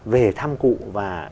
về thăm cụ và